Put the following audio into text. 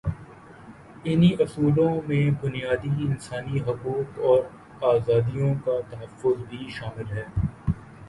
انہی اصولوں میں بنیادی انسانی حقوق اور آزادیوں کا تحفظ بھی شامل ہے۔